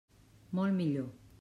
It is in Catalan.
Molt millor.